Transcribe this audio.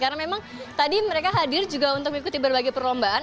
karena memang tadi mereka hadir juga untuk mengikuti berbagai perlombaan